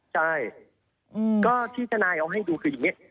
แล้วบอกว่ามีหลักฐานนะ